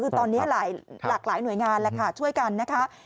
คือตอนนี้หลากหลายหน่วยงานช่วยกันนะครับ